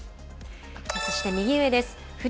そして右上です。